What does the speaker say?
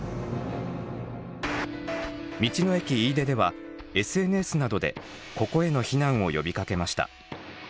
道の駅いいでではＳＮＳなどでここへの避難を呼びかけました。